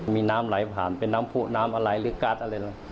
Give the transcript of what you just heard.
มีน้ำไหลผ่านเป็นน้ำผู้น้ำอะไรหรือการ์ดอะไร